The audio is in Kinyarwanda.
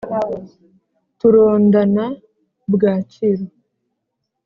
turondana bwakiro.